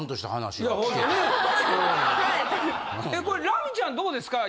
ラミちゃんどうですか？